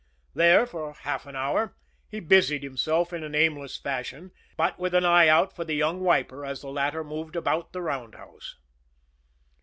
There, for half an hour, he busied himself in an aimless fashion; but with an eye out for the young wiper, as the latter moved about the roundhouse.